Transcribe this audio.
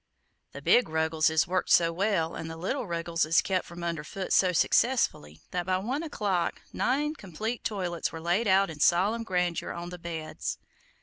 The big Ruggleses worked so well, and the little Ruggleses kept from "under foot" so successfully, that by one o'clock nine complete toilets were laid out in solemn grandeur on the beds.